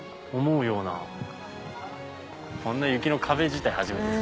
こんな雪の壁自体初めてです。